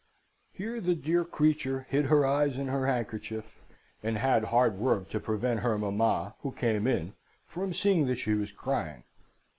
"Here the dear creature hid her eyes in her handkerchief, and had hard work to prevent her mama, who came in, from seeing that she was crying.